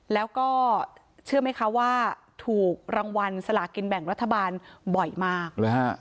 แล้วก็เชื่อไหมคะว่าถูกรางวัลสลากินแบ่งรัฐบาลบ่อยมากหรือฮะ